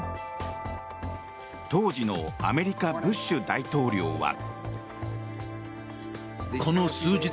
当時のアメリカ、ブッシュ大統領は。